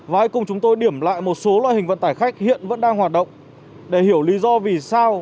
và hãy cùng chúng tôi điểm lại một số loại hình vận tải khách hiện vẫn đang hoạt động để hiểu lý do vì sao